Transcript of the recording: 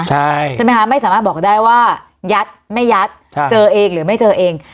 ใช่ไหมคะไม่สามารถบอกได้ว่ายัดไม่ยัดเจอเองหรือไม่เจอเอง